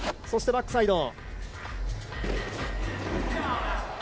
そしてバックサイド１６２０。